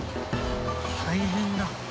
大変だ。